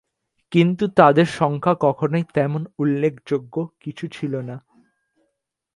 কিন্তু তাদের সংখ্যা কখনই তেমন উল্লেখযোগ্য কিছু ছিল না।